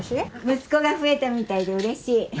息子が増えたみたいでうれしい。